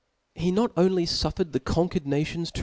He not only fuffered the conquered nations to